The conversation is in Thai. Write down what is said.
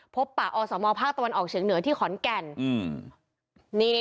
พบป่าอสมภาคตะวันออกเฉียงเหนือที่ขอนแก่น